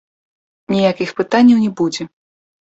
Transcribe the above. Ніякіх пытанняў не будзе.